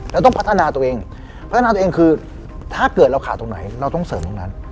เราต้องพัฒนาตัวเองพัฒนาตัวเองคือถ้าเกิดเราขาดตรงไหนเราต้องเสริมตรงนั้น